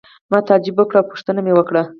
ما تعجب وکړ او پوښتنه مې وکړه.